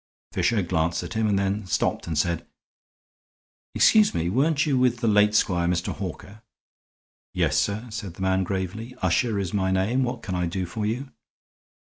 Fisher glanced at him, and then stopped and said: "Excuse me. Weren't you with the late squire, Mr. Hawker?" "Yes, sir," said the man, gravely. "Usher is my name. What can I do for you?"